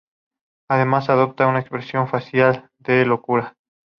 Además adopta una expresión facial de locura.